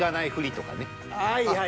はいはい。